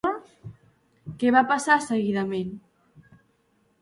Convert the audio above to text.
Què va passar seguidament?